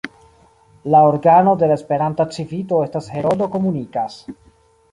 La organo de la Esperanta Civito estas "Heroldo komunikas".